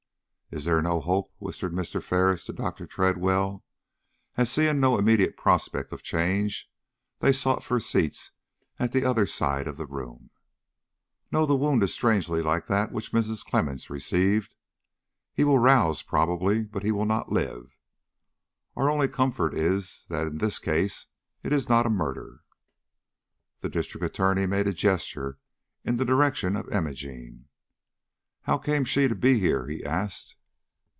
"Is there no hope?" whispered Mr. Ferris to Dr. Tredwell, as, seeing no immediate prospect of change, they sought for seats at the other side of the room. "No; the wound is strangely like that which Mrs. Clemmens received. He will rouse, probably, but he will not live. Our only comfort is that in this case it is not a murder." The District Attorney made a gesture in the direction of Imogene. "How came she to be here?" he asked.